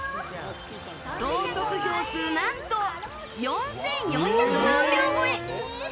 総得票数何と４４００万票超え。